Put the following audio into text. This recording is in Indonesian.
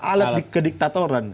alat di kediktatoran